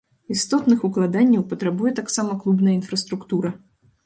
Істотных укладанняў патрабуе таксама клубная інфраструктура.